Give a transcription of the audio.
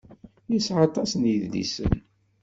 Yesεa aṭas n yedlisen.